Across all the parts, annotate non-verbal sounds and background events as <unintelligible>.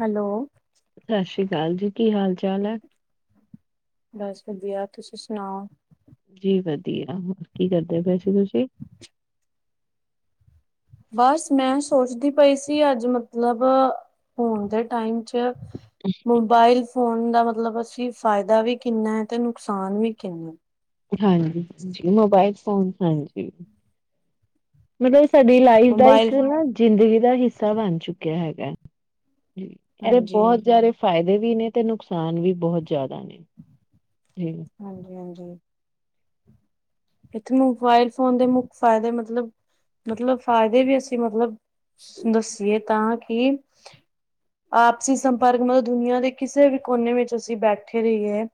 Hello. ਸਾਸੀ ਕਾਲ ਜੀ ਕੀ ਹਾਲ ਚਾਲ ਐ? ਬਸ ਵਧੀਆ ਤੁਸੀਂ ਸੁਨਾਓ। ਜੀ ਵਧੀਆ ਹੋਰ ਕੀ ਕਰਦੇ ਪਏ ਸੀ ਤੁਸੀਂ। ਬਸ ਮੈਂ ਸੋਚਦੀ ਪਈ ਸੀ ਅੱਜ ਮਤਲਬ ਹੁਨ ਦੇ ਟਾਈਮ ਚ ਮੋਬਾਇਲ ਫੋਨ ਦਾ ਮਤਲਬ ਅਸੀਂ ਫਾਇਦਾ ਵੀ ਕਿੰਨਾ ਐ, ਤੇ ਨੁਕਸਾਨ ਵੀ ਕਿੰਨੈ। ਹਾਂਜੀ, ਹਾਂਜੀ ਮੋਬਾਇਲ ਫੋਨ ਹਾਂਜੀ। ਮਤਲਬ ਸਾਡੀ ਲਾਈਫ ਦਾ ਮੋਬਾਇਲ ਇੱਕ ਨਾ ਜ਼ਿੰਦਗੀ ਦਾ ਹਿੱਸਾ ਬਨ ਚੁੱਕਿਆ ਹੈਗੈ। ਇਦੇ ਹਾਂਜੀ ਬੋਤ ਜਾਦੇ ਫਾਇਦੇ ਵੀ ਨੇ ਤੇ ਨੁਕਸਾਨ ਵੀ ਬਹੁਤ ਜਾਦਾ ਨੇ। ਹਾਂਜੀ-ਹਾਂਜੀ। ਇੱਥੇ ਨੂੰ ਮੋਬਾਇਲ ਫੋਨ ਦੇ ਮੁੱਖ ਫਾਇਦੇ ਮਤਲਬ-ਮਤਲਬ ਫਾਇਦੇ ਵੀ ਅਸੀਂ ਮਤਲਬ ਦੱਸੀਏ ਤਾਂ ਕੀ ਆਪਸੀ ਸੰਪਰਕ ਮਤਲਬ ਦੁਨੀਆਂ ਦੇ ਕਿਸੇ ਵੀ ਕੋਨੇ ਵਿੱਚ ਅਸੀਂ ਬੈਠੇ ਰਈਏ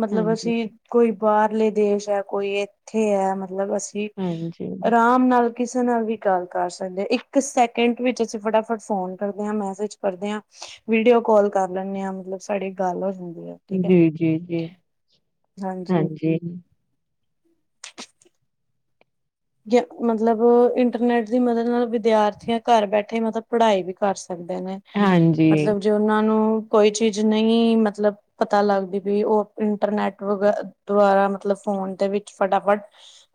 ਮਤਲਬ ਹਾਂਜੀ ਅਸੀਂ ਕੋਈ ਬਾਹਰਲੇ ਦੇਸ਼ ਐ ਕੋਈ ਏਥੇ ਐ ਮਤਲਬ ਅਸੀਂ ਹਾਂਜੀ ਆਰਾਮ ਨਾਲ ਕਿਸੇ ਨਾਲ ਵੀ ਗੱਲ ਕਰ ਸਕਦੇ ਇੱਕ ਸੈਕਿੰਡ ਵਿੱਚ ਅਸੀਂ ਫਟਾਫਟ ਫੋਨ ਕਰਦੇ ਆਂ ਮੈਸੇਜ ਕਰਦੇ ਆਂ ਵੀਡੀਓ ਕੋਸਲ ਕਰ ਲੈਨੇਂ ਆ ਮਤਲਬ ਸਾਡੀ ਗੱਲ ਹੋ ਜਾਂਦੀ ਏ। ਜੀ, ਜੀ, ਜੀ ਹਾਂਜੀ। ਮਤਲਬ ਇੰਟਰਨੈਟ ਦੀ ਮਦਦ ਨਾਲ, ਵਿਦਿਆਰਥੀਆਂ ਘਰ ਬੈਠੇ ਮਤਲਬ ਪੜ੍ਹਾਈ ਵੀ ਕਰ ਸਕਦੇ ਨੇ। ਹਾਂਜੀ ਮਤਲਬ ਜੇ ਉਹਨਾਂ ਨੂੰ, ਕੋਈ ਚੀਜ਼ ਨਹੀਂ ਮਤਲਬ ਪਤਾ ਲੱਗਦੀ ਬੀ, ਉਹ ਇੰਟਰਨੈਟ ਵ ਦੁਆਰਾ ਮਤਲਬ ਫੋਨ ਦੇ ਵਿੱਚ ਫਟਾਫਟ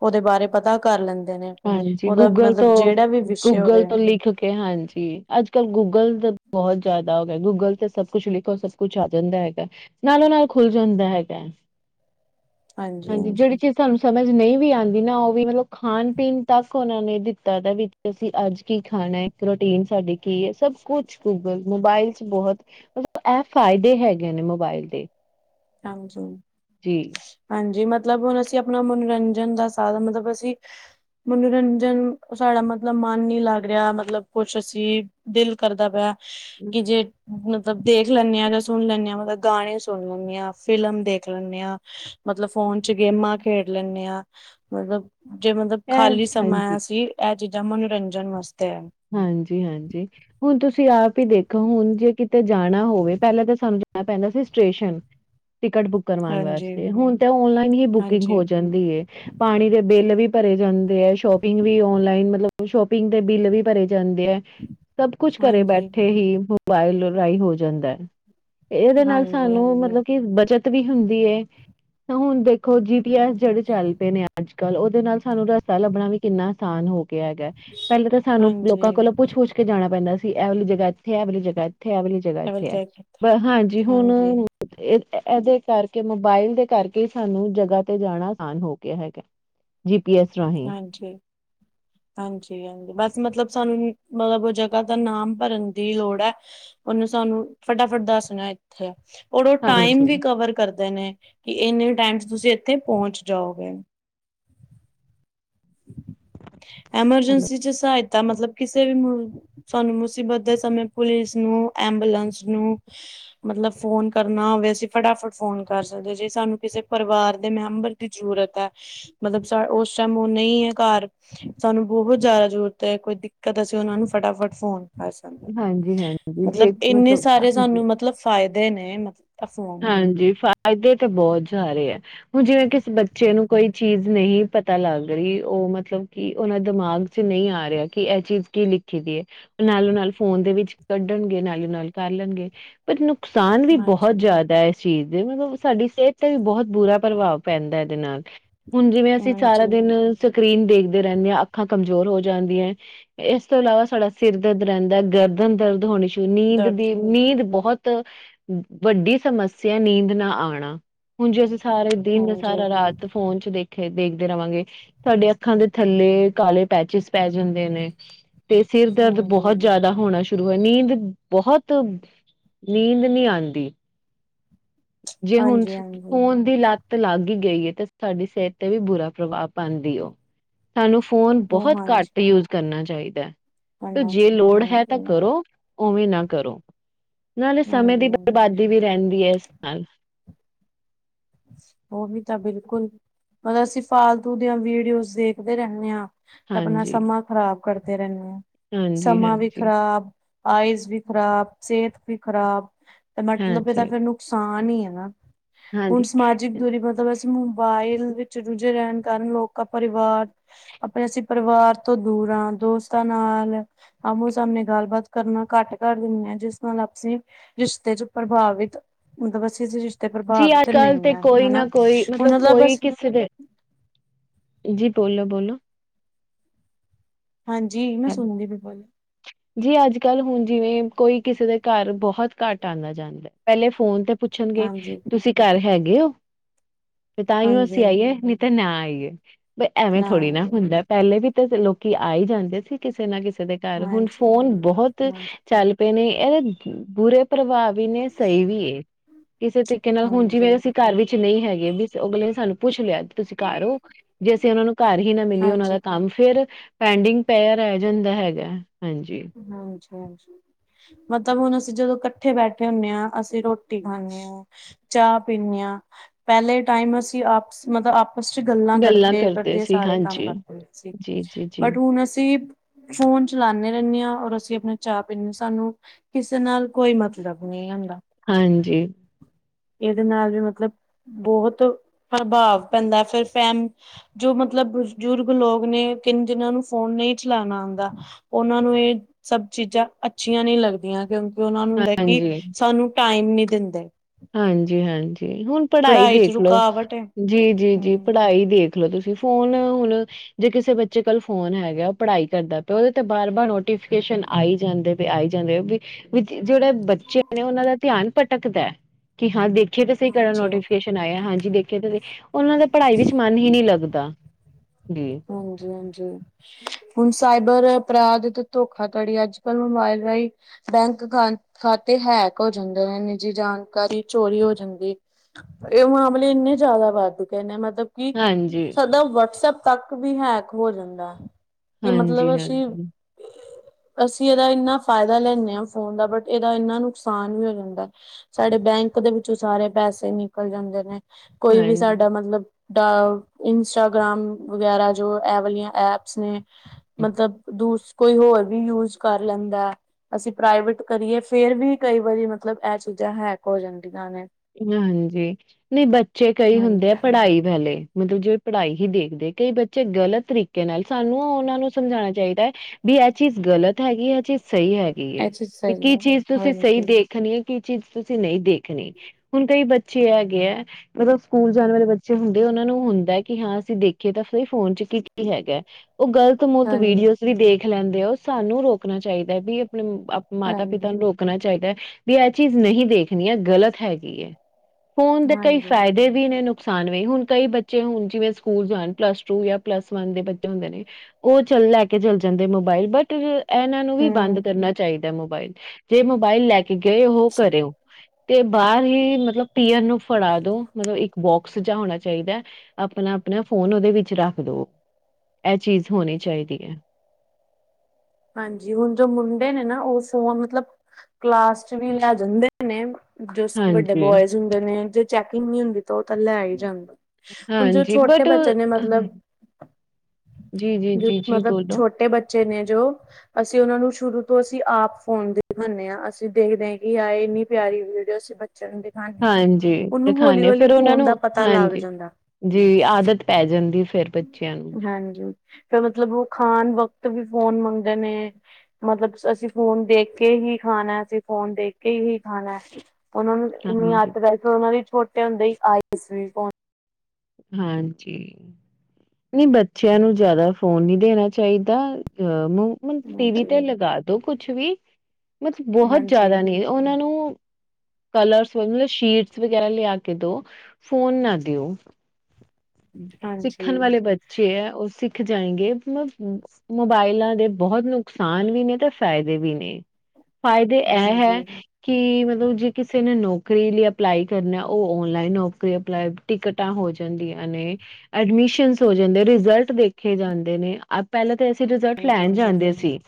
ਉਹਦੇ, ਬਾਰੇ ਪਤਾ ਕਰ ਲੈਂਦੇ ਨੇ। ਹਾਂਜੀ, ਉਹਦਾ ਗੂਗਲ ਮਤਲਬ ਤੋਂ ਜਿਹੜਾ ਵੀ ਵਿਸ਼ੇ ਹੋਵੇ ਗੂਗਲ ਤੋਂ ਲਿਖ ਹਾਂਜੀ, ਅੱਜ ਕੱਲ੍ਹ ਗੂਗਲ ਬਹੁਤ ਜਿਆਦਾ ਹੋ ਗਿਆ, ਗੂਗਲ ਤੇ ਸਭ ਕੁਛ ਲਿਖੋ, ਸਭ ਕੁਛ ਆ ਜਾਂਦਾ ਹੈਗਾ। ਨਾਲੋਂ ਨਾਲ ਖੁੱਲ ਜਾਂਦਾ ਹੈਗਾ। <inaudible> ਹਾਂਜੀ, ਜਿਹੜੀ ਚੀਜ਼ ਤੁਹਾਨੂੰ ਸਮਝ ਨਹੀਂ ਵੀ ਆਉਂਦੀ ਨਾ, ਉਹ ਵੀ ਮਤਲਬ ਖਾਣ ਪੀਨ ਤੱਕ, ਉਹਨਾਂ ਨੇ ਦਿੱਤਾ ਦਯਾ, ਵਿੱਚ ਅਸੀਂ ਅੱਜ ਕੀ ਖਾਣਾ, ਕਰੂਟੀਨ ਸਾਡੀ ਕੀ ਹੈ, ਸਭ ਕੁਛ। ਗੂਗਲ, ਮੋਬਾਇਲ ਚ ਬਹੁਤ ਮਤਲਬ ਇਹ ਫਾਇਦੇ ਹੈਗੇ ਨੇ, ਮੋਬਾਇਲ ਦੇ। ਹਾਂਜੀ। ਜੀ। ਹਾਂਜੀ, ਮਤਲਬ ਹੁਣ ਅਸੀਂ ਆਪਣਾ ਮਨੋਰੰਜਨ ਦਾ ਸਾਧਨ, ਮਤਲਬ ਅਸੀ। ਮਨੋਰੰਜਨ, ਸਾਡਾ ਮਤਲਬ ਮਨ ਨੀ ਲੱਗ ਰਿਹਾ। ਮਤਲਬ ਕੁਛ ਅਸੀਂ ਦਿਲ ਕਰਦਾ ਪਿਆ। ਕਿ ਜੇ ਮਤਲਬ ਦੇਖ ਲੈਣੇ ਹਾਂ, ਜਾਂ ਸੁਣ ਲੈਣੇ ਮਤਲਬ ਸੁਣ ਗਾਣੇ ਲੈਂਣੇ ਆ। ਫ਼ਿਲਮ ਦੇਖ ਲੈਣੇ ਆ, ਮਤਲਬ ਫੋਨ ਚ ਗੇਮਾਂ ਖੇਡ ਲੈਣੇ ਆ, ਮਤਲਬ ਜੇ ਮਤਲਬ ਇਹ ਖਾਲੀ ਸਮਾਂ ਹਾਂਜੀ ਆ ਸੀ, ਇਹ ਚੀਜ਼ਾਂ ਮਨੋਰੰਜਨ ਵਾਸਤੇ ਹੈ। ਹਾਂਜੀ, ਹਾਂਜੀ। ਹੁਣ ਤੁਸੀਂ ਆਪ ਹੀ ਦੇਖੋ, ਹੁਣ ਜੇ ਕਿਤੇ ਜਾਣਾ ਹੋਵੇ, ਪਹਿਲਾਂ ਤਾਂ ਸਾਨੂੰ ਜਾਨਾ ਪੈਂਣਾ ਸੀ। ਸਟੇਸ਼ਨ। ਹ <inaudible> ਟਿਕਟ ਬੁੱਕ ਕਰਵਾਉਣ ਵਾਸਤੇ, ਹੁਣ ਤਾਂ ਓਨਲਾਈਨ ਹੀ ਬੁਕਿੰਗ ਹਾਂਜੀ ਹੋ ਜਾਂਦੀ। ਪਾਣੀ ਦੇ ਬਿੱਲ ਵੀ ਭਰੇ ਜਾਂਦੇ ਹੈ, ਸ਼ੋਪਿੰਗ ਵੀ ਔਨਲਾਈਨ, ਮਤਲਬ ਸ਼ੋਪਿੰਗ ਦੇ ਬਿੱਲ ਵੀ। ਭਰੇ ਜਾਂਦੇ ਹੈ, ਸਭ ਕੁਛ ਘਰੇ ਹਾਂਜੀ ਬੈਠੇ ਹੀ ਮੋਬਾਇਲ ਰਾਈ ਹੋ ਜਾਂਦਾ ਹੈ। ਇਹਦੇ ਨਾਲ ਹਾਂਜੀ ਸਾਨੂੰ ਹਾਂਜੀ ਮਤਲਬ, ਕਿ ਬੱਚਤ ਵੀ ਹੁੰਦੀ ਹੈ। ਹੁਣ ਦੇਖੋ, ਜੀ ਪੀ ਐੱਸ, ਜਿਹੜੇ ਚੱਲ ਪਏ ਨੇ ਅੱਜ ਕੱਲ ਉਹਦੇ ਨਾਲ ਸਾਨੂੰ ਰਸਤਾ ਲੱਭਣਾ ਵੀ, ਕਿੰਨਾ ਆਸਾਨ ਹੋ ਗਿਆ ਹੈਗਾ। ਪਹਿਲੇ ਤਾਂ ਸਾਨੂੰ ਲੋਕਾਂ ਹਾਂਜੀ ਕੋਲੋਂ ਪੁੱਛ, ਪੁੱਛ ਕੇ ਜਾਣਾ ਪੈਂਦਾ ਸੀ। ਇਹ ਵਾਲੀ ਜਗ੍ਹਾ ਇੱਥੇ ਐ, ਇਹ ਵਾਲੀ ਜਗ੍ਹਾ ਇੱਥੇ ਐ। ਜਗ੍ਹਾ ਇੱਥੇ ਹੈ। ਹਾਂਜੀ ਹੁਣ ਇਹਦੇ ਕਰਕੇ ਮੋਬਾਇਲ ਦੇ ਕਰਕੇ ਸਾਨੂੰ ਜਗ੍ਹਾ ਤੇ ਜਾਣਾ, ਆਸਾਨ ਹੋ ਗਿਆ ਹੈਗਾ। ਜੀ ਪੀ ਐਸ, ਰਾਹੀਂ ਹਾਂਜੀ <inaudible> ਹਾਂਜੀ, ਹਾਂਜੀ ਬੱਸ ਮਤਲਬ ਸਾਨੂੰ, ਮਤਲਬ ਉਹ ਜਗ੍ਹਾ ਦਾ ਨਾਮ ਭਰਨ ਦੀ ਲੋੜ ਹੈ। ਉਹਨੂੰ ਸਾਨੂੰ ਫਟਾਫਟ ਦੱਸਣਾ ਇੱਥੇ, ਔਰ ਉਹ ਟਾਈਮ ਹਾਂਜੀ ਵੀ ਕਵਰ ਕਰਦੇ ਨੇ। ਕਿ ਇੰਨੇ ਟਾਈਮ ਚ ਤੁਸੀਂ ਇੱਥੇ ਪਹੁੰਚ ਜਾਓਗੇ। ਹੈਲੋ, ਐਮਰਜੈਂਸੀ, ਚ ਸਹਾਇਤਾ ਮਤਲਬ ਕਿਸੇ ਵੀ ਮੁ ਸਾਨੂੰ ਮੁਸੀਬਤ ਦੇ ਸਮੇਂ ਪੁਲਿਸ ਨੂੰ, ਐਬੂਲੈਂਸ ਨੂੰ, ਮਤਲਬ ਫੋਨ ਕਰਨਾ ਹੋਵੇ, ਅਸੀਂ ਫਟਾਫਟ ਫੋਨ ਕਰ ਸਕਦੇ, ਜੇ ਸਾਨੂੰ ਕਿਸੇ ਪਰਿਵਾਰ ਦੇ ਮੈਂਬਰ ਦੀ ਜ਼ਰੁਰਤ ਹੈ, ਮਤਲਬ ਉਸ ਟਾਈਮ ਔ ਨਹੀਂ ਹੈ ਇਹ ਘਰ, ਸਾਨੂੰ ਬਹੁਤ ਜ਼ਿਆਦਾ ਜ਼ਰੂਰਤ ਹੈ, ਕੋਈ ਦਿੱਕਤ ਅਸੀਂ ਉਹਨਾਂ ਨੂੰ ਫਟਾਫਟ ਫੋਨ। ਕਰ ਸਕਦੇ ਹਾਂ। ਹਾਂਜੀ ਹਾਂਜੀ ਜੇ ਮਤਲਬ ਇੰਨੇ ਸਾਰੇ ਹਾਂਜੀ ਸਾਨੂੰ ਮਤਲਬ ਫਾਇਦੇ ਨੇ ਮਤ ਹਾਂਜੀ, ਫਾਇਦੇ ਤੇ ਬਹੁਤ ਜ਼ਾਰੇ ਐ। ਹੁਣ ਜਿਵੇਂ ਕਿਸੀ ਬੱਚੇ ਨੂੰ, ਕੋਈ ਚੀਜ਼ ਨਹੀਂ ਪਤਾ ਲੱਗ ਰਹੀ। ਉਹ ਮਤਲਬ ਕਿ ਉਹਨਾਂ ਦਿਮਾਗ ਚ ਨਹੀਂ ਆ ਰਿਹਾ। ਕਿ ਐਹ ਚੀਜ਼ ਕੀ ਲਿਖੀ ਦੀ ਏ ਨਾਲੋਂ-ਨਾਲ ਫੋਨ ਦੇ ਵਿੱਚ ਕੱਡਣਗੇ ਨਾਲੋਂ-ਨਾਲ ਕਰ ਲੈਣਗੇ। ਪਰ ਨੁਕਸਾਨ ਵੀ ਬਹੁਤ ਹਾਂਜੀ ਜ਼ਿਆਦ ਵੈ ਏਸ ਚੀਜ਼ ਦੇ ਮਤਲਬ ਸਾਡੀ ਸਿਹਤ ਤੇ ਵੀ ਬਹੁਤ ਬੁਰਾ ਪ੍ਰਭਾਵ ਪੈਂਦਾ ਏਦੇ ਨਾਲ ਹੁਨ ਜਿਵੇਂ-ਅਸੀਂ ਹਾਂਜੀ ਸਾਰਾ ਦਿਨ ਸਕਰੀਨ ਦੇਖਦੇ ਰੇਨੇ ਆ। ਅੱਖਾਂ ਕਮਜ਼ੋਰ ਹੋ ਜਾਂਦੀਆਂ। ਏਸ ਤੋਂ ਇਲਾਵਾ ਸਾਡਾ ਸਿਰ ਦਰਦ ਰਹਿੰਦਾ ਏ। ਗਰਦਨ ਦਰਦ ਹੋਣੀ ਸ਼ੁਰੂ ਨੀਂਦ ਦਰਦ ਦੀ ਨੀਂਦ ਬਹੁਤ ਵੱਡੀ ਸਮੱਸਿਆ, ਨੀਂਦ ਨਾ ਆਣਾ। ਹੁਨ ਜੋ‌ ਅਸੀਂ ਸਾਰੇ ਦਿਨ, ਹਾਂਜੀ ਸਾਰਾ ਰਾਤ, ਫੋਨ ਚ ਦੇਖੇ ਦੇਖਦੇ ਰਵਾਂਗੇ। ਸਾਡੇ ਅੱਖਾਂ ਦੇ ਥੱਲੇ ਕਾਲੇ ਪੈਚਿਸ ਪੈ ਜਾਂਦੇ ਨੇ। ਤੇ ਸਿਰ ਦਰਦ ਬਹੁਤ ਹਾਂਜੀ ਜ਼ਿਆਦਾ ਹੋਣਾ ਸ਼ੁ ਨੀਂਦ ਬਹੁਤ, ਨੀਂਦ ਨੀ ਆਂਦੀ। ਜੇ ਹੁਨ ਹਾਂਜੀ ਹਾਂਜੀ ਸ--ਫੋਨ ਦੀ ਲੱਤ ਲੱਗ ਈ ਗਈ ਏ‌ ਤੇ ਸਾਡੀ ਸੇਤ ਤੇ ਵੀ ਬੁਰਾ ਪ੍ਰਭਾਵ ਪਾਂਦੀ ਓ। ਸਾਨੂੰ ਫੋਨ ਉਹ ਬਹੁਤ ਹਾਂਜੀ ਘੱਟ ਯੂਜ ਕਰਨਾ ਚਾਹੀਦਾ ਏ। ਤੇ ਕਰਨਾ ਜੇ ਚਾਹੀਦਾ ਲੋੜ ਹੈ ਤਾਂ ਹਾਂਜੀ ਕਰੋ। ਔਵੇਂ ਨਾ ਕਰੋ ਨਾਲੇ ਸਮੇਂ ਹਾਂਜੀ ਦੀ ਹਾਂਜੀ ਬਰਬਾਦੀ ਵੀ ਰੇਂਦੀ ਏ ਇਸ ਨਾਲ ਔ ਵੀ ਤਾਂ ਬਿਲਕੁਲ ਮਤਲਬ ਅਸੀਂ ਫਾਲਤੂ ਦੀਆਂ ਵੀਡੀਓਜ਼ ਦੇਖਦੇ ਰਹਿੰਨੇ ਆਂ ਤੇ ਆਪਣਾ ਹਾਂਜੀ। ਸਮਾਂ ਖ਼ਰਾਬ ਕਰਦੇ ਰੇਨੇ ਆ, ਹਾਂਜੀ, ਸਮਾਂ ਵੀ ਹਾਂਜੀ, ਖ਼ਰਾਬ ਆਇਜ਼ ਵੀ ਖ਼ਰਾਬ, ਸਿਹਤ ਵੀ ਖਰਾਬ ਤੇ ਮਤਲਬ ਏਦਾ ਹਾਂਜੀ, ਫੇਰ ਨੁਕਸਾਨ ਹੀ ਆ ਨਾ ਹੁਨ ਹਾਂਜੀ। ਸਮਾਜਿਕ ਦੂਰੀ ਮਤਲਬ, ਅਸੀਂ ਮੋਬਾਇਲ ਵਿੱਚ ਰੁੱਝੇ ਰਹਿਨ ਕਾਰਨ ਲੋਕਾਂ ਪਰਿਵਾਰ ਆਪਨੇ ਅਸੀਂ ਪਰਿਵਾਰ ਤੋਂ ਦੂਰ ਹਾ, ਦੋਸਤਾਂ ਨਾਲ ਆਮੋ ਸਾਮਣੇ ਗੱਲਬਾਤ ਕਰਨਾ ਘੱਟ ਕਰ ਦਿੰਨੇ ਆ ਜਿਸ ਨਾਲ ਅਸੀਂ ਰਿਸ਼ਤੇ ਚ ਪ੍ਰਭਾਵਿਤ ਮਤਲਬ ਅਸੀਂ ਰਿਸ਼ਤੇ ਜੀ ਪ੍ਰਭਾਵਿਤ ਅੱਜ-ਕੱਲ ਨਹੀਂ ਤੇ ਆ ਕੋਈ ਹਨਾ ਨਾ ਕੋਈ ਹੁਣ ਮਤਲਬ ਕੋਈ ਬਸ ਕਿਸੇ ਦੇ ਜੀ, ਬੋਲੋ-ਬੋਲੋ ਹਾਂਜੀ, ਮੈਂ ਸੁਣਦੀ ਪਈ ਬਲੋ। ਜੀ, ਅੱਜ-ਕੱਲ ਹੁਨ ਜਿਵੇਂ- ਕੋਈ ਕਿਸੇ ਦੇ ਘਰ ਬਹੁਤ ਘੱਟ ਆਂਦਾ ਜਾਂਦਾ ਪਹਿਲੇ ਫੋਨ ਤੇ ਪੁੱਛਨਗੇ ਹਾਂਜੀ ਤੁਸੀਂ ਘਰ ਹੈਗੇ ਓ ਤੇ ਤਾਂਇਓ ਹਾਂਜੀ ਅਸੀਂ ਆਈਏ ਨ ਤੇ ਨਾ ਆਈਏ ਬ ਐਵੇਂ ਥੋੜੀ ਨਾ ਹੁੰਦਾ, ਪਹਿਲੇ ਵੀ ਤਾ ਲੋਕੀ ਆਈ ਜਾਂਦੇ ਸ ਕਿਸੇ ਨਾ ਕਿਸੇ ਦੇ ਘਰ ਹੁਨ ਹਾਂਜੀ ਫੋਨ ਬਹੁਤ ਹਾਂਜੀ ਚੱਲ ਪਏ ਨੇ ਏਦੇ ਬੁਰੇ ਪ੍ਰਭਾਵੀ ਨੇ ਸਹੀ ਵੀ ਏ ਕਿਸੇ ਤਰੀਕੇ ਹਾਂਜੀ ਨਾਲ ਹੁਨ ਹਾਂਜੀ ਜਿਵੇਂ-ਅਸੀਂ ਘਰ ਵਿੱਚ ਨੀ ਹੈਗੇ ਵੀ ਅਗਲੇ ਨੇ ਸਾਨੂੰ ਪੁੱਛ ਲਿਆ, ਤੁਸੀਂ ਘਰ ਹੋ ਜੇ ਅਸੀਂ ਓਨਾਂ ਨੂੰ ਘਰ ਹੀ ਨਾ ਮਿਲੀਏ ਓਨਾਂ ਦਾ ਹਾਂਜੀ ਕੰਮ ਫੇਰ ਪੈਂਡਿੰਗ ਪ‌ਇਆ ਰਹਿ ਜਾਂਦਾ ਹੈਗਾ, ਹਾਂਜੀ। ਹਾਂਜੀ, ਹਾਂਜੀ ਮਤਲਬ ਹੁਨ ਅਸੀਂ ਜਦੋਂ ਇਕੱਠੇ ਬੈਠੇ ਹੁਨੇ ਆਂ। ਅਸੀਂ ਰੋਟੀ ਖਾਂਨੇ ਆਂ ਚਾਹ ਪੀਨੇ ਆਂ। ਪਹਿਲੇ ਟਾਈਮ ਅਸੀਂ ਆਪਸ ਮਤਲਬ ਆਪ ਆਪਸ ਚ ਗੱਲਾਂ ਕਰਦੇ, ਕਰਦੇ ਸਾਰੇ ਕੰਮ ਕਰਦੇ ਸੀ। ਜੀ ਜੀ ਜੀ ਬਟ ਹੁਨ ਅਸੀਂ ਫੋਨ ਚਲਾਨੇ ਰੇਨੇ ਆਂ। ਔਰ ਅਸੀਂ ਆਪਨਾ ਚਾਹ ਪੀਨੇ, ਸਾਨੂੰ ਕਿਸੇ ਨਾਲ ਕੋਈ ਮਤਲਬ ਨ‌ਈ ਹੁੰਦਾ। ਹਾਂਜੀ। ਏਦੇ ਨਾਲ ਵੀ ਮਤਲਬ ਬਹੁਤ ਪ੍ਰਭਾਵ ਪੈਂਦਾ ਫਿਰ ਫੈਮ ਜੋ ਮਤਲਬ ਬਜ਼ੁਰਗ ਲੋਕ ਨੇ ਕੇਂਦੇ ਨੇ ਓਨੂੰ ਫੋਨ ਨੀ ਚਲਾਨਾ ਆਉਂਂਦਾ ਓਨਾਂ ਨੂੰ ਐ ਸਭ ਚੀਜ਼ਾਂ ਅੱਛੀਆਂ ਨੀ ਲਗਦੀਆਂ ਕਿਉਂਕਿ ਓਨਾਂ ਨੂੰ ਹੁੰਦਾ ਕਿ ਹਾਂਜੀ ਸਾਨੂੰ ਟਾਈਮ ਨੀ ਦਿੰਦੇ। ਹਾਂਜੀ, ਹਾਂਜੀ‌। ਹੁਨ ਪੜਾਈ ਪੜ੍ਹਾਈ ਚ ਦੇਖ ਲੋ ਰੁਕਾਵਟ ਏ ਜੀ-ਜੀ-ਜੀ ਹੂੰ ਪੜ੍ਹਾਈ ਦੇਖਲੋ ਤੁਸੀਂ ਫੋਨ ਹੁਨ ਜੇ ਕਿਸੇ ਬੱਚੇ ਕੱਲ ਫੋਨ ਹੈਗਾ। ਪੜ੍ਹਾਈ ਕਰਦਾ ਪਿਆ। ਉਹਦੇ ਤੇ ਬਾਰ ਬਾਰ ਨੋਟੀਫਿਕੇਸ਼ਨ ਆਈ ਜਾਂਦੇ। ਆਈ ਜਾਂਦੇ ਆ ਵੀ ਜਿਹੜੇ ਬੱਚੇ ਨੇ ਓਨਾਂ ਦਾ ਧਿਆਨ ਭਟਕਦਾ ਕਿ ਹਾਂ ਦੇਖੀਏ ਤਾਂ ਸਹੀ ਕੇੜਾ ਹਾਂਜੀ ਨੋਟੀਫਿਕੇਸ਼ਨ ਆਇਆ। ਹਾਂਜੀ ਦੇਖੀਏ ਤਾਂ ਸਹੀ ਓਨਾਂ ਦਾ ਪੜ੍ਹਾਈ ਵਿੱਚ ਮਨ ਹੀ ਨਹੀਂ ਲੱਗਦਾ ਜ। ਹਾਂਜੀ- ਹਾਂਜੀ। ਹੁਨ ਸਾਈਬਰ ਅਪਰਾਧ ਤੇ ਧੋਖਾਧੜੀ ਅੱਜ ਕੱਲ੍ਹ ਮੋਬਾਇਲ ਰਾਈ ਬੈਂਕ ਖਾ ਖਾਤੇ ਹੈਕ ਹੋ ਜਾਂਦੇ ਨੇ ਨਿੱਜੀ ਜਾਣਕਾਰੀ ਚੋਰੀ ਹੋ ਜਾਂਦੀ। ਇਹ ਮਾਮਲੇ ਇੰਨੇ ਜਾਦਾ ਵੱਧ ਗਏ ਨੇ ਮਤਲਬ ਕਿ ਹਾਂਜੀ, ਸਾਡਾ ਵਟਸਪ ਤੱਕ ਵੀ ਹੈਕ ਹੋ ਜਾਂਦਾ। ਕਿ ਹਾਂਜੀ, ਮਤਲਬ ਅਸੀਂ ਹਾਂਜੀ, ਅਸੀਂ ਇਹਦਾ ਇੰਨਾ ਫਾਇਦਾ ਲੈਂਣੇ ਆ ਫੋਨ ਦਾ ਬਟ ਇਹਦਾ ਇੰਨਾ ਨੁਕਸਾਨ ਵੀ ਹੋ ਜਾਂਦਾ। ਸਾਡੇ ਬੈਂਕ ਦੇ ਵਿੱਚੋਂ ਸਾਰੇ ਪੈਸੇ ਨਿਕਲ ਜਾਂਦੇ ਨੇ। ਕੋਈ ਵੀ ਹਾਂਜੀ। ਸਾਡਾ ਮਤਲਬ ਡ ਇੰਸਟਾਗ੍ਰਾਮ ਵਗੈਰਾ ਜੋ ਐ ਵਾਲੀਆਂ ਐਪਸ ਨੇ ਮਤਲਬ ਦੂਸ ਕੋਈ ਹੋਰ ਵੀ ਯੂਜ ਕਰ ਲੈਂਦਾ। ਅਸੀਂ ਪ੍ਰਾਈਵੇਟ ਕਰੀਏ ਫੇਰ ਵੀ ਕਈ ਵਾਰੀ ਮਤਲਬ ਇਹ ਚੀਜ਼ਾਂ ਹੈਕ ਹੋ ਜਾਂਦੀਆਂ ਨੇ। ਹਾਂਜੀ, ਨਹੀਂ ਬੱਚੇ ਕਈ ਹਾਂਜੀ ਹੁੰਦੇ ਆ ਪੜ੍ਹਾਈ ਵਾਲੇ। ਮਤਲਬ ਜਿ ਪੜ੍ਹਾਈ ਹੀ ਦੇਖਦੇ ਕਈ ਬੱਚੇ ਗ਼ਲਤ ਤਰੀਕੇ ਨਾਲ ਸਾਨੂੰ ਓਹਨਾਂ ਨੂੰ ਸਮਝਾਣਾ ਚਾਹੀਦਾ ਹੈ। ਵੀ ਆਹ ਚੀਜ਼ ਗ਼ਲਤ ਹੈਗੀ ਆ ਚੀਜ਼ ਸਹੀ ਹੈਗੀ ਏ ਇਹ ਚੀਜ਼ ਵੀ ਸਹੀ ਕੀ ਹੈ ਚੀਜ਼ ਤੁਸੀਂ ਸਹੀ ਹਾਂਜੀ ਦੇਖ ਦੇਖਨੀ ਕਿ ਚੀਜ਼ ਤੁਸੀਂ ਨਹੀਂ ਦੇਖਨੀ ਹੁਣ ਕਈ ਬੱਚੇ ਹੈਗੇ ਏ। ਮਤਲਬ ਸਕੂਲ ਜਾਣ ਵਾਲੇ ਬੱਚੇ ਹੁੰਦੇ ਉਹਨਾਂ ਨੂੰ ਹੁੰਦਾ ਕਿ ਹਾਂ ਅਸੀਂ ਦੇਖੀਏ ਤਾਂ ਸਈ ਫਿਰ ਫੋਨ ਚ ਕੀ ਕੀ ਹੈਗਾ। ਉਹ ਗਲ ਤੂੰ ਮੁਲਤ ਹਾਂਜੀ ਵੀਡੀਓਜ਼ ਵੀ ਦੇਖ ਲੈਂਦੇ ਓ। ਸਾਨੂੰ ਰੋਕਨਾ ਚਾਹੀਦਾ ਹੈ ਵੀ ਆਪਣੇ ਆਪ ਮਾਤਾ ਹਾਂਜੀ। ਪਿਤਾ ਨੂੰ ਰੋਕ ਨਾ ਚਾਹੀਦਾ ਵੀ ਇਹ ਚੀਜ਼ ਨਹੀਂ ਦੇਖਣੀ ਏ ਗਲਤ ਹੈਗੀ ਆ ਫੋਨ ਦੇ ਕਈ ਹਾਂਜੀ ਫਾਇਦੇ ਵੀ ਨੇ ਨੁਕਸਾਨ ਵੀ ਹੁਨ ਕਈ ਬੱਚੇ ਹੁਨ ਜਿਵੇਂ ਸਕੂਲ ਜਾਣ ਪਲੱਸ ਟੂ ਜਾਂ ਪਲੱਸ ਵਨ ਦੇ ਬੱਚੇ ਹੁੰਦੇ ਨੇ ਓਹ ਚੱਲ ਲੈ ਕੇ ਚੱਲ ਜਾਂਦੇ ਮੋਬਾਈਲ। ਬਟ ਇਹਨਾਂ ਨੂੰ ਵੀ ਬੰਦ ਹੂੰ ਕਰਨਾ ਚਾਹੀਦਾ ਮੋਬਾਈਲ ਜੇ ਮੋਬਾਈਲ ਲੈ ਕੇ ਗਏ ਹੋ ਘਰੇ ਓ ਤੇ ਬਾਹਰ। ਤੁਸੀ ਮਤਲਬ ਪੀਅਨ ਨੂੰ ਫੜਾ ਦੋ ਮਤਲਬ ਇੱਕ ਬੋਕਸ ਜਾ ਹੋਨਾ ਚਾਹੀਦਾ। ਆਪਣਾ- ਆਪਣਾ ਫੋਨ ਉਹਦੇ ਵਿੱਚ ਰੱਖ ਦੋ ਇਹ ਚੀਜ਼ ਹੋਣੀ ਚਾਹੀਦੀ ਹੈ। ਹਾਂਜੀ ਹੁਨ ਜੋ ਮੁੰਡੇ ਨੇ ਨਾ ਉਹ ਸੋ ਮਤਲਬ ਕਲਾਸ ਚ ਵੀ ਲੈ ਜਾਂਦੇ ਮੈਮ ਜੋ ਵੱਡੇ ਹਾਂਜੀ ਬੋਇਜ਼ ਹੁੰਦੇ ਨੇ ਜੇ ਚੈਕਿੰਗ ਨੀ ਹੁੰਦੀ। ਤਾਂ ਉਹ ਤਾਂ ਲੈ ਹੀ ਜਾਂਦਾ ਹੁਣ ਜੋ ਹਾਂਜੀ ਛੋਟੇ ਬਟ ਬੱਚੇ ਨੇ ਮਤਲਬ ਜੀ ਜੀ ਜੋ ਜੀ ਜੀ ਮਤਲਬ ਬੋਲੋ ਛੋਟੇ ਬੱਚੇ ਨੇ ਜੋ। ਅਸੀਂ ਉਹਨਾ ਨੂੰ ਸ਼ੁਰੂ ਤੋਂ ਅਸੀਂ ਆਪ ਫੋਨ ਦਿਖਾਨੇ ਹਾਂ ਅਸੀਂ ਦੇਖਦੇ ਹਾਂ ਕਿ ਯ ਇਹ ਇੰਨੀ ਪਿਆਰੀ ਵੀਡੀਓਸ ਬੱਚਣ ਦੇ। ਹਾਂਜੀ ਦਿਖਾਣੇ ਹਾਂ ਫਿਰ ਉਹਨਾਂ ਨੂੰ ਦਾ ਪਤਾ ਲੱਗ ਹਾਂਜੀ ਜਾਂਦਾ ਜੀ ਦੀ ਆਦਤ ਪੈ ਜਾਂਦੀ ਫਿਰ। ਬੱਚਿਆਂ ਨੂੰ ਹਾਂਜੀ ਫੇਰ ਮਤਲਬ ਉਹ ਖਾਨ ਵਕਤ ਵੀ ਫੋਨ ਮੰਗਦੇ ਨੇ। ਮਤਲਬ ਅਸੀਂ ਫੋਨ ਦੇਖ ਕੇ ਹੀ ਖਾਨਾ ਅਸੀਂ ਫੋਨ ਦੇਖ ਕੇ ਹੀ ਖਾਨਾ ਅ। ਉਹਨਾਂ ਨੂੰ ਇੰਨੀ ਹਾਂਜੀ, ਆਦਤ ਪੈ ਉਹਨਾ ਦੀ ਛੋਟੇ ਹੁੰਦੇ ਹੀ ਆਇਸ ਵੀਕ ਹੋ ਹਾਂਜੀ। ਨਈ ਬੱਚਿਆਂ ਨੂੰ ਜਾਦਾ ਫੋਨ ਨਈ ਦੇਣਾ ਚਾਹੀਦਾ ਅ ਕੇ ਮੂ। ਮਤ ਟੀਵੀ ਤੇ ਹਾਂਜੀ ਲਗਾ ਦੋ ਕੁਛ ਵੀ ਮਤਲਬ ਬਹੁਤ ਹਾਂਜੀ ਜ਼ਿਆਦਾ ਨੀ ਉਹਨਾਂ ਨੂੰ। ਕਲਰਸ ਮਤਲਬ ਸ਼ੀਟਸ ਵਗੈਰਾ ਲਿਆ ਕੇ ਦੋ ਫੋਨ ਨਾ ਦਿਓ। ਹਾਂਜੀ ਸਿੱਖਣ ਹਾਂਜੀ ਵਾਲੇ ਬੱਚੇ ਐ ਉਹ ਸਿੱਖ ਜਾਏਗੇ ਮ ਮੋਬਾਇਲਾਂ ਦੇ ਬੋਹਤ ਨੁਕਸਾਨ ਵੀ ਨੇ ਤੇ ਫ਼ਾਇਦੇ ਵੀ ਨੇ। ਫਾਇਦੇ ਐ ਹਾਂਜੀ ਹੈ ਕਿ ਮਤਲਬ ਜੇ ਕਿਸੇ ਨੇ ਨੌਕਰੀ ਲਈ ਅਪਲਾਈ ਕਰਨਾ ਉਹ ਓਨਲਾਈਨ ਨੌਕਰੀ ਅਪਲਾਈ ਟਿਕਟਾਂ ਹੋ ਜਾਂਦੀਆਂ ਨੇ ਐਡਮਿਸ਼ਨ ਹੋ ਜਾਂਦੇ ਰਿਜ਼ਲਟ ਦੇਖੇ ਜਾਂਦੇ ਨੇ। ਪੈਲਾਂ ਤਾਂ ਅਸੀਂ ਰਿਜਲਟ ਹਾਂਜੀ ਲੈਣ ਜਾਂਦੇ ਸੀ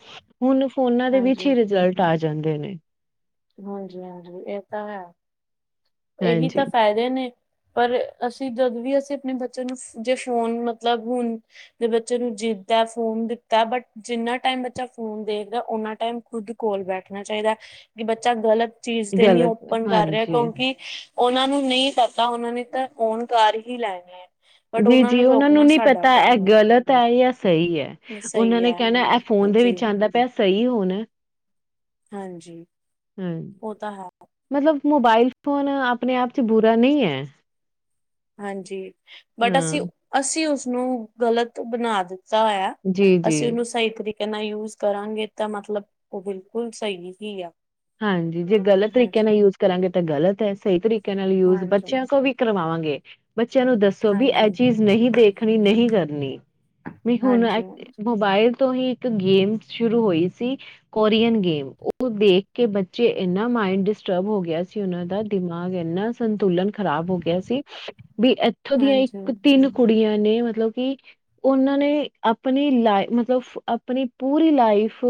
ਹੁਣ ਫੋਨਾ ਦੇ ਵਿੱਚ ਹਾਂਜੀ ਹੀ ਰਿਜਲਟ ਆ ਜਾਂਦੇ ਨੇ। ਹਾਂਜੀਹਾਂਜੀ ਏ ਤਾਂ ਹੈ ਏਹੀ ਹਾਂਜੀ ਤਾਂ ਫੇ ਦੇ ਨੇ ਪਰ ਅਸੀਂ ਜਦ ਵੀ ਅਸੀਂ ਅਪਣੇ ਬੱਚੇ ਨੂੰ ਜੇ ਫੋਨ ਮਤਲਬ ਹੁਣ ਜੇ ਬੱਚੇ ਨੂੰ ਜਿੱਦਾ ਫੋਨ ਦਿੱਤਾ ਬਟ ਜਿੰਨਾ ਟਾਈਮ ਬੱਚਾ ਫੋਨ ਦੇਖਦਾ ਉਨਾ ਟਾਈਮ ਖੁਦ ਕੋਲ ਬੈਠਨਾ ਚਾਈਦਾ ਕਿ ਬੱਚਾ ਗਲਤ ਚੀਜ਼ ਤੇ ਨੀ ਗਲਤ ਓਪਨ ਕਰ ਰਿਆ ਹਾਂਜੀ ਕਿਉਂਕਿ ਉਨਾਂ ਨੂੰ ਨਈ ਪਤਾ ਉਨਾਂ ਨੇ ਤਾਂ ਓਨ ਕਰ ਹੀ ਲੈਣੇ ਆ। ਜੀ-ਜੀ ਉਨਾਂ ਨੂੰ ਨੀ ਪਤਾ ਐ ਹੈ ਗਲਤ ਆ ਯਾ ਸਈ ਐ। ਉਨਾਂ ਸਹੀ ਨੇ ਹੈ ਕੇਣਾ ਐ ਫੋਨ ਦੇ ਜੀ ਵਿੱਚ ਆਂਦਾ ਪਿਆ ਸਈ ਹੋਣਾ। ਹਾਂਜੀ। ਹਾਂ ਉਹ ਤਾਂ ਹੈ ਮਤਲਬ ਮੋਬਾਇਲ ਫੋਨ ਅਪਣੇ ਆਪ ਚ ਬੁਰਾ ਨੀ ਏ। ਹਾਂਜੀ ਬਟ ਹਾਂ ਅਸੀਂ-ਅਸੀਂ ਉਸਨੂੰ ਗਲਤ ਬਣਾ ਦਿੱ ਤਾ ਹੋਯਾ ਜੀ ਜੀ ਅਸੀ ਉਨੂੰ ਸ ਸਈ ਤਰੀਕੇ ਨਾਲ ਯੂਜ ਕਰਾਂਗੇ ਤਾਂ ਮਤਲਬ ਉਹ ਬਿਲਕੁਲ ਸਈ ਹੀ ਆ। ਹਾਂਜੀ ਜੇ ਗ਼ਲਤ ਤਰੀਕੇ ਹਾਂਜੀ, ਨਾਲ ਯੂਜ ਕਰਾਂਗੇ ਤਾਂ ਗ਼ਲਤ ਐ ਸਈ ਤਰੀਕੇ ਨਾਲ ਯੂਜ ਹਾਂਜੀ, ਬੱਚਿਆਂ ਕੋ ਵੀ ਕਰਵਾਵਾਂਗੇ ਬੱਚਿਆਂ ਨੂੰ ਦੱਸੋ ਵੀ ਇਹ ਹਾਂਜੀ, ਚੀਜ਼ ਨਹੀ ਦੇਖਣੀ ਨਹੀ ਕਰਨੀ। ਵੀ ਹੁਣ ਐ ਹਾਂਜੀ, ਮੋਬਾਇਲ ਤੋਂ ਹੀ ਤੇ ਗੇਮ ਸ਼ੁਰੂ ਹੋਈ ਸੀ ਕੋਰੀਅਰ ਗੇਮ ਉਹ ਦੇ ਖ ਕੇ ਬੱਚੇ ਏਨਾ ਮਾਇੰਡ ਡਿਸਟਰਬ ਹੋ ਗਿਆ ਸੀ ਉਨਾਂ ਦਾ ਦਿਮਾਗ ਏਨਾ ਸੰਤੁਲਨ ਖ਼ਰਾਬ ਹੋ ਗਿਆ ਸੀ ਵੀ ਇੱਥੋਂ ਦੀਆਂ ਹਾਂਜੀ। ਇੱਕ ਤਿੰਨ ਕੁੜੀਆਂ ਨੇ ਮਤਲਬ ਕਿ ਉਹਨਾਂ ਨੇ ਅਪਨੀ ਲਾ ਮਤਲਬ ਅਪਨੀ ਪੂਰੀ ਲਾਈਫ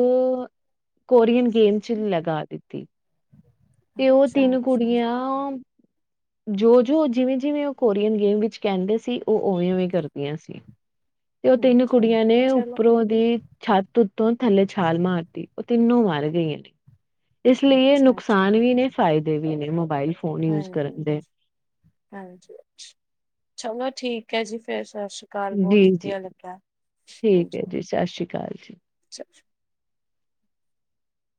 ਕੋਰੀਅਨ ਗੇਮ ਚ ਲਗਾ ਦਿੱਤੀ। ਤੇ ਓ ਅੱਛਾ, ਤਿੰਨ ਅੱਛਾ, ਕੁੜੀਆਂ ਜੋ-ਜੋ ਜਿਵੇਂ-ਜਿਵੇਂ ਓ ਕੋਰੀਅਨ ਗੇਮ ਵਿੱਚ ਕਹਿੰਦੇ ਸੀ ਓ ਉਵੇਂ- ਉਵੇਂ ਕਰਦੀਆਂ ਸੀ। ਤੇ ਉਹ ਤਿੰਨ ਅੱਛਾ ਕੁੜੀਆਂ ਨੇ ਚਲੋ ਉੱਪਰੋਂ ਦੀ ਛੱਤ ਉੱਤੋਂ ਥੱਲੇ ਛਾਲ ਮਾਰਤੀ ਉਹ ਤਿੰਨੋ ਮਰ ਗਈਆ ਨੇ। ਇਸ ਲਈਏ ਅੱਛਾ, ਅੱਛਾ ਨੁਕਸਾਨ ਵੀ ਨੇ ਫਾਇਦੇ ਵੀ ਨੇ ਮੋਬਾਇਲ ਫੋ ਹਾਂਜੀ-ਹਾਂਜੀ, ਹਾਂਜੀ-ਹਾਂਜੀ ਚਲੋ ਠੀਕ ਐ ਜੀ ਫੇਰ ਸਸ ਸ੍ਰੀ ਅਕਾਲ ਬਹੁਤ ਵੀਰ ਜੀ ਵਧੀਆ ਲੱਗਾ ਠੀਕ ਹਾਂਜੀ। ਐ ਚਲੋ। ਜੀ ਸਸ ਸ੍ਰੀ ਕਾਲ ਜੀ। <unintelligible>